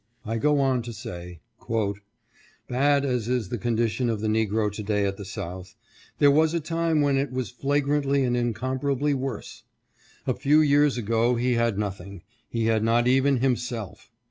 I go on to say :" Bad as is the condition of the negro to day at the South, there was a time when it was flagrantly and incomparably worse. A few years ago he had nothing — he had not even himself.